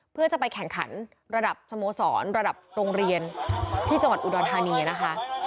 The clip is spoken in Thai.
เพื่อจะไปแข่งขันระดับสโมสรระดับโรงเรียนที่จังหวัดอุดรธานีนะคะ